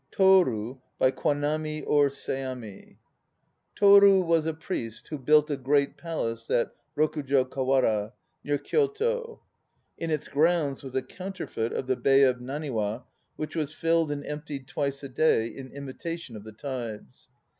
TORU By KWANAMI OR SEAMI TORU was a prince v.i.o built a great palace at Rokujo kawara, near Kyoto. In its grounds was a counterfeit of the bay of Naniwa, which was filled and emptied twice a day in imitation of the tides.